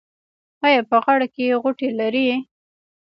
ایا په غاړه کې غوټې لرئ؟